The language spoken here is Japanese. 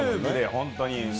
本当に。